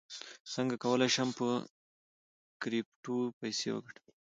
څنګه کولی شم په کریپټو پیسې وګټم